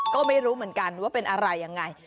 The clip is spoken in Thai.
ก็ไม่รู้เหมือนกันว่าเป็นอะไรยังไง